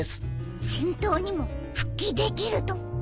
戦闘にも復帰できると？